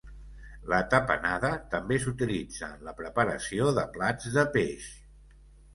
La tapenada també s'utilitza en la preparació de plats de peix.